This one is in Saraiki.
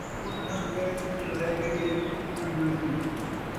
اُٹھ لنگھ ڳئے پوچھل رہ ڳئی ہے، پچھ وی لنگھ ویسی